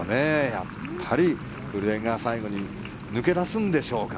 やっぱり古江が最後に抜け出すんでしょうか。